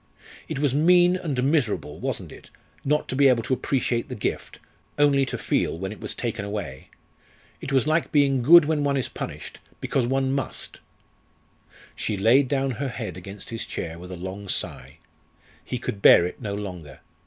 It was mean and miserable, wasn't it, not to be able to appreciate the gift, only to feel when it was taken away? It was like being good when one is punished, because one must " She laid down her head against his chair with a long sigh. He could bear it no longer.